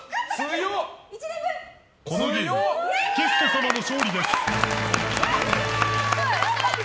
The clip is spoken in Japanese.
このゲーム、ゲスト様の勝利です。